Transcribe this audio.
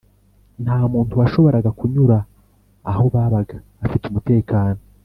nta muntu washoboraga kunyura aho babaga afite umutekano